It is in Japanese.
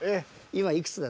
「今いくつだ？」。